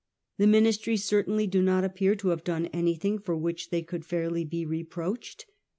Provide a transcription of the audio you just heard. The Ministry certainly do not appear to have done anything for which they could fairly be reproached.